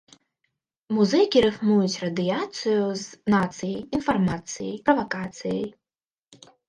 Музыкі рыфмуюць радыяцыю з нацыяй, інфармацыяй, правакацыяй.